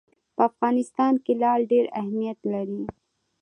په افغانستان کې لعل ډېر اهمیت لري.